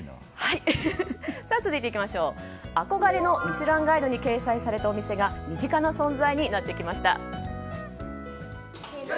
続いて、憧れの「ミシュランガイド」に掲載されたお店が身近な存在になってきました。